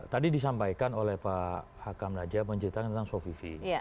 tadi disampaikan oleh pak hakam lajah menceritakan tentang sovivi